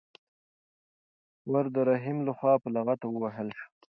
ور د رحیم لخوا په لغته ووهل شو.